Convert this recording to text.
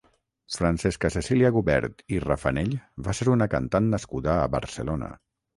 Francesca Cecília Gubert i Rafanell va ser una cantant nascuda a Barcelona.